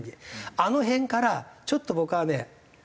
あの辺からちょっと僕はね